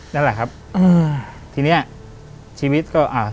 นั่นแหละครับอืมทีเนี้ยชีวิตก็อ่า